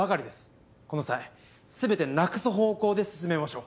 この際全てなくす方向で進めましょう。